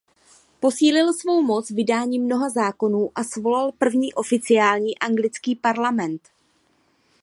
Posílil svou moc vydáním mnoha zákonů a svolal první oficiální Anglický parlament.